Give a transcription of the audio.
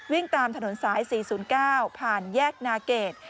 วิ่งตามถนนซ้าย๔๐๙ผ่านแยกนาเกต